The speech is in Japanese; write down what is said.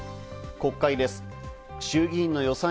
国会です。